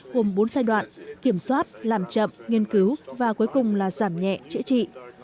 hôm bốn giai đoạn kiểm soát làm chậm nghiên cứu và cuối cùng là giảm nhẹ trễ trị